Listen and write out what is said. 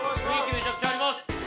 めちゃくちゃあります